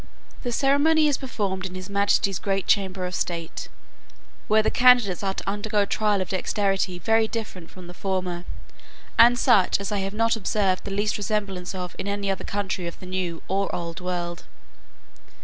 The ceremony is performed in his majesty's great chamber of state, where the candidates are to undergo a trial of dexterity very different from the former, and such as I have not observed the least resemblance of in any other country of the new or old world.